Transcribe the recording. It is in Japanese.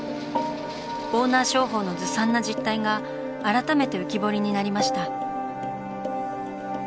オーナー商法のずさんな実態が改めて浮き彫りになりました。